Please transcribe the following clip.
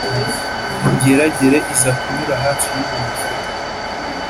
ingeragere iza kunyura hafi y’uwo mufuka